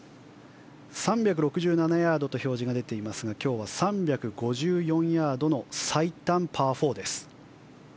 ３６７ヤードという表示が出ていましたが今日は３５４ヤードの最短パー４です。